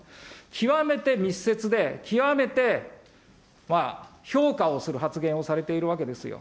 極めて密接で、極めて評価をする発言をされているわけですよ。